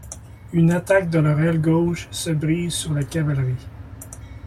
Une attaque de leur aile gauche se brise sur la cavalerie.